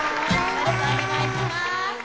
よろしくお願いします。